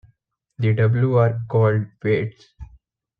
The "w" are called "weights".